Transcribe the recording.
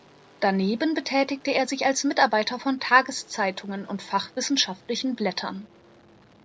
Daneben betätigte er sich als Mitarbeiter von Tageszeitungen und fachwissenschaftlichen Blättern.